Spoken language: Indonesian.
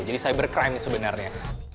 jadi cyber crime sebenarnya